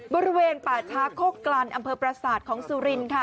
บริเวณประชาโคกรันอำเภอประศาจของสุรินทร์ค่ะ